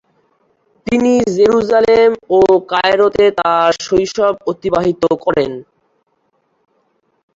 তিনি জেরুজালেম ও কায়রোতে তাঁর শৈশব অতিবাহিত করেন।